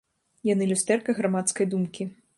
Яны люстэрка грамадскай думкі.